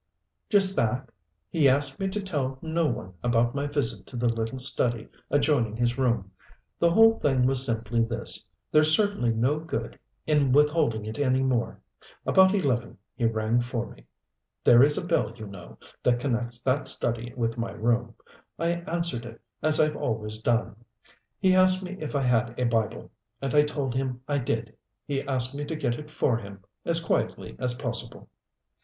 "Just that he asked me to tell no one about my visit to the little study adjoining his room. The whole thing was simply this there's certainly no good in withholding it any more. About eleven he rang for me. There is a bell, you know, that connects that study with my room. I answered it as I've always done. He asked me if I had a Bible and I told him I did. He asked me to get it for him, as quietly as possible.